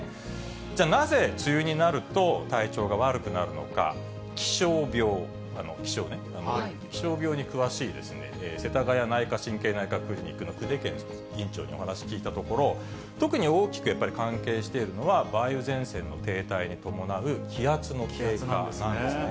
じゃあなぜ、梅雨になると体調が悪くなるのか、気象病、気象ね、気象病に詳しいせたがや内科・神経内科クリニックの久手堅院長にお話聞いたところ、特に大きくやっぱり関係しているのが、梅雨前線の停滞に伴う気圧の低下なんですね。